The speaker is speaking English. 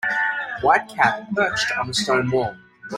White cat perched on a stone wall.